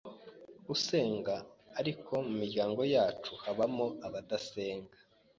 usenga ariko mu miryango yacu habagamo abadasenga